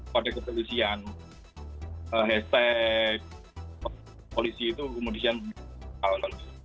pada kepolisian hashtag polisi itu kemudian